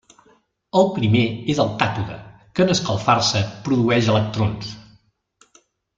El primer és el càtode, que en escalfar-se produeix electrons.